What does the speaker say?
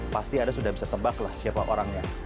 pasti ada sudah bisa tebak lah siapa orangnya